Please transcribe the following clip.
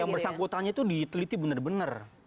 yang bersangkutannya itu diteliti benar benar